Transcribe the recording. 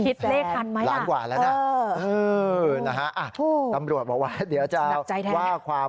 คิดเลขทันไหมล่ะอืมนะฮะตำรวจบอกว่าเดี๋ยวจะเอาว่า